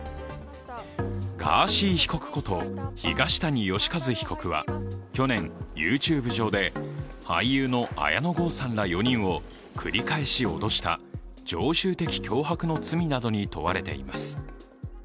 ガーシー被告こと東谷義和被告は去年、ＹｏｕＴｕｂｅ上で俳優の綾野剛さんら４人を繰り返し脅した常習的脅迫の罪などに問われています。